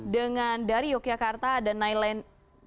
dengan dari yogyakarta dan nailand